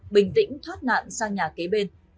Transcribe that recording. bình tĩnh thoát nạn sang nhà kế bên